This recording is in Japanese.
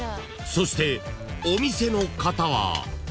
［そしてお店の方は］